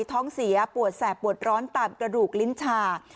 ท้องเสียปวดแสบปวดร้อนตามกระดูกลิ้นชา